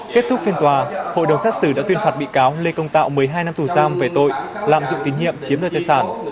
kết thúc phiên tòa hội đồng xét xử đã tuyên phạt bị cáo lê công tạo một mươi hai năm tù giam về tội lạm dụng tín nhiệm chiếm đoạt tài sản